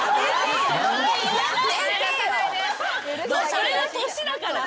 それは年だから。